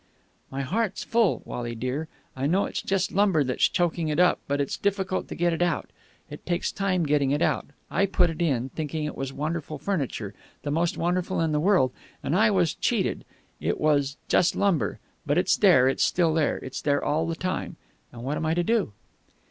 "My heart's full, Wally dear. I know it's just lumber that's choking it up, but it's difficult to get it out. It takes time getting it out. I put it in, thinking it was wonderful furniture, the most wonderful in the world, and I was cheated. It was just lumber. But it's there. It's still there. It's there all the time. And what am I to do?"